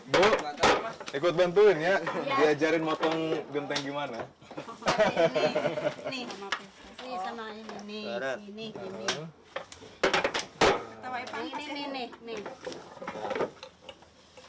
bu ikut bantuin ya diajarin motong genteng gimana nih